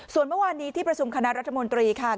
ส่วนเมื่อวานนี้ที่ประชุมคณะรัฐมนตรีค่ะ